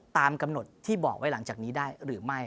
ตามกำหนดที่บอกไว้หลังจากนี้ได้หรือไม่